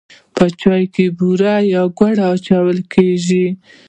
په چای کې بوره یا ګوړه اچول کیږي.